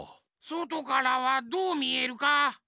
そとからはどうみえるか？